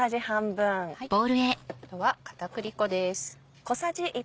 あとは片栗粉です。